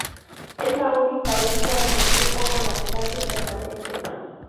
Es la única isla en el grupo con habitantes permanentes.